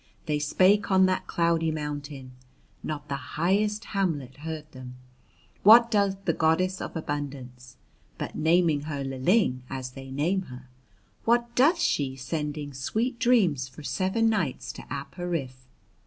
They spake on that cloudy mountain (not the highest hamlet heard them). "What doth the Goddess of Abundance," (but naming her Lling, as they name her), "what doth she sending sweet dreams for seven nights to Ap Ariph?"